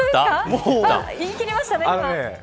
言い切りましたね。